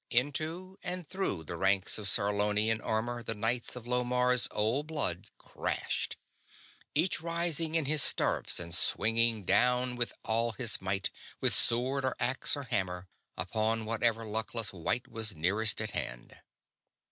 Into and through the ranks of Sarlonian armor the knights of Lomarr's Old Blood crashed; each rising in his stirrups and swinging down with all his might, with sword or axe or hammer, upon whatever luckless wight was nearest at hand.